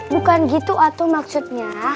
bukan gitu atu maksudnya